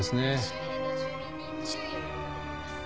周辺の住民に注意を呼び掛けています。